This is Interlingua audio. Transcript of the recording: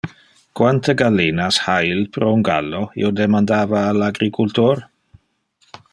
Quante gallinas ha il pro un gallo? Io demandava al agricultor.